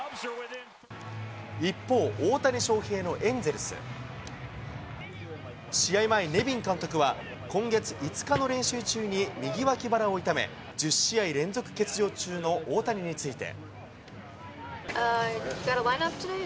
一方、大谷翔平のエンゼルス。試合前、ネビン監督は今月５日の練習中に右脇腹を痛め、１０試合連続欠場中の大谷について。